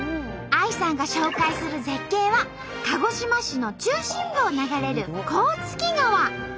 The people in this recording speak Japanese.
ＡＩさんが紹介する絶景は鹿児島市の中心部を流れる甲突川。